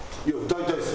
歌いたいです。